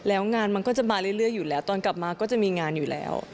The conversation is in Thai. แล้วงานมันก็จะมาเรื่อยอยู่แล้วตอนกลับมาก็จะมีงานอยู่แล้ว